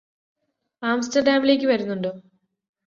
ആംസ്റ്റർഡാമിലേക്ക് വരുന്നുണ്ടോ